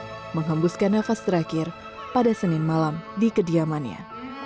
yang menghembuskan nafas terakhir pada senin malam di kediamannya